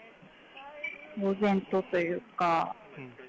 ぼう然とというか。